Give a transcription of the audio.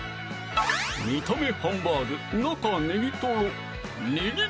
見た目ハンバーグ中ネギトロ